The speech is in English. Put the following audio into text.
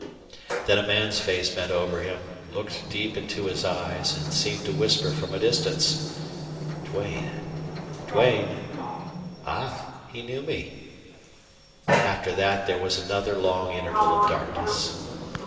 Then a man's face bent over him, looked deep into his eyes, and seemed to whisper from a distance: "Duane Duane! Ah, he knew me!" After that there was another long interval of darkness.